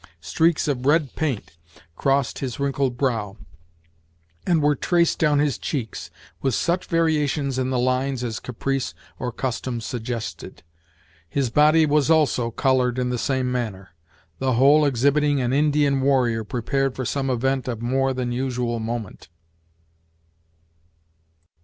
Streaks of red paint crossed his wrinkled brow, and were traced down his cheeks, with such variations in the lines as caprice or custom suggested. His body was also colored in the same manner; the whole exhibiting an Indian warrior prepared for some event of more than usual moment.